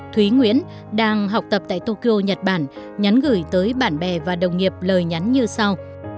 thúy nguyễn đang học tập tại tokyo nhật bản nhắn gửi tới bạn bè và đồng nghiệp lời nhắn như sau